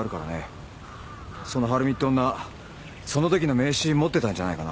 その晴美って女その時の名刺持ってたんじゃないかな。